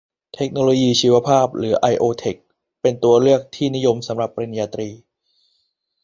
เทคโนโลยีชีวภาพ หรือ ไอโอเทค เป็นตัวเลือกที่นิยมสำหรับปริญญาตรี